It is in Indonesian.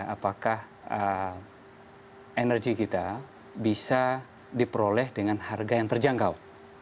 apakah energi kita bisa diperoleh dengan harga yang terjangkau